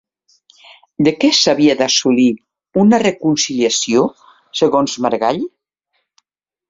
De què s'havia d'assolir una reconciliació segons Maragall?